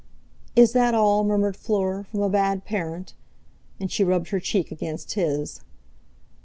"Is that all," murmured Fleur, "from a bad parent?" And she rubbed her cheek against his.